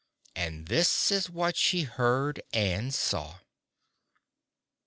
And this is what she heard and saw.